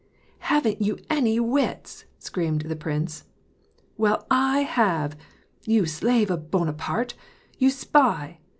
" Haven't you any wits ?" screamed the prince. " Well, I have. You slave of Bonaparte ! You spy